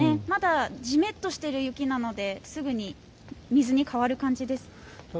まだジメッとしている雪なのですぐに水に変わる感じです。